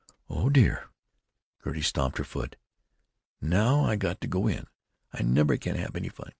"Oh, dear!" Gertie stamped her foot. "Now I got to go in. I never can have any fun.